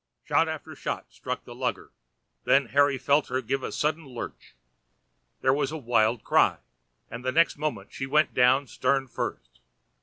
Shot after shot struck the lugger, then Harry felt her give a sudden lurch. There was a wild cry, and the next moment she went down stern first.